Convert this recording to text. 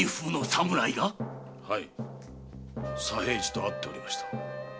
はい左平次と会っておりました。